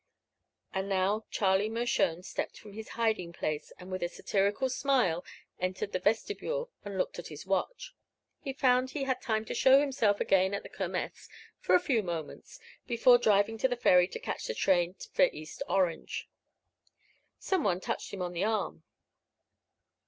And now Charlie Mershone stepped from his hiding place and with a satirical smile entered the vestibule and looked at his watch. He found he had time to show himself again at the Kermess, for a few moments, before driving to the ferry to catch the train for East Orange. Some one touched him on the arm.